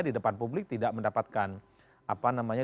di depan publik tidak mendapatkan apa namanya